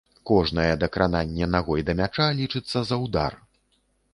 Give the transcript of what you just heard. Кожнае дакрананне нагой да мяча лічыцца за ўдар.